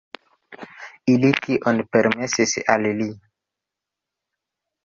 Ili tion permesis al li.